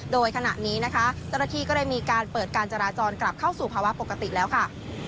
โดยขณะนี้นะคะเจ้าหน้าที่ก็ได้มีการเปิดการจราจรกลับเข้าสู่ภาวะปกติแล้วค่ะ